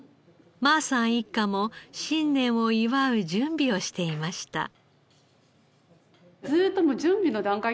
馬さん一家も新年を祝う準備をしていました。